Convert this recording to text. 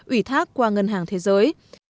ủy thác qua ngân hàng thế giới